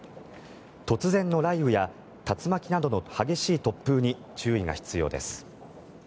突然の雷雨や竜巻などの激しい突風に注意が必要です。